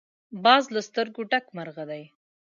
باز له سترګو ډک مرغه دی